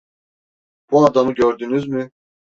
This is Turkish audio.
Bu adamı gördünüz mü?